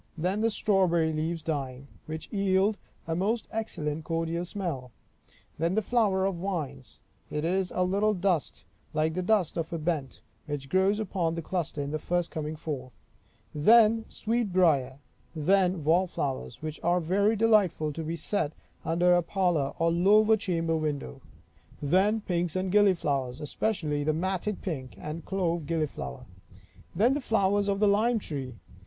Then the strawberry leaves dying, which yield a most excellent cordial smell. Then the flower of vines; it is a little dust, like the dust of a bent, which grows upon the cluster in the first coming forth. Then sweet briar. Then wall flowers, which are very delightful to be set under a parlor or lower chamber window. Then pinks and gilliflowers, especially the matted pink and clove gilliflower. Then the flowers of the lime tree.